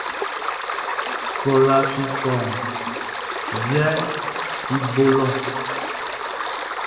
Kloʼn lafi fɔuun viaʼn i bo lɔ.